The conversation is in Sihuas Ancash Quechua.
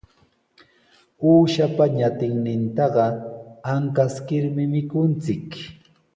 Uushapa ñatinnintaqa ankaskirmi mikunchik.